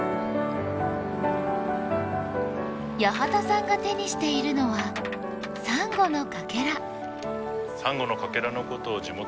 八幡さんが手にしているのはサンゴのカケラ。